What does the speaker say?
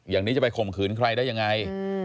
อย่างนี้จะไปข่มขืนใครได้ยังไง